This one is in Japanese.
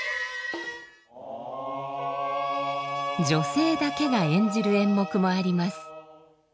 女性だけが演じる演目もあります。